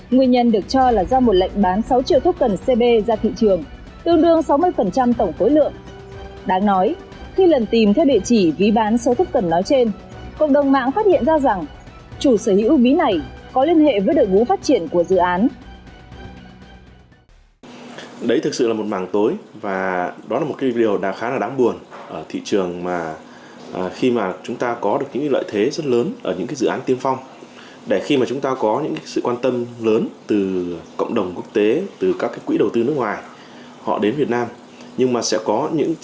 nguyên nhân được cho là do một lệnh bán sáu triệu thốc cần cb ra thị trường tương đương sáu mươi tổng khối lượng